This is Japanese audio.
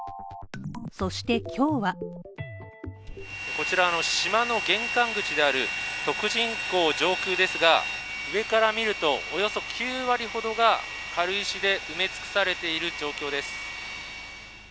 そして今日はこちらの島の玄関口である徳仁港上空ですが、上から見ると、およそ９割ほどが軽石で埋め尽くされている状況です。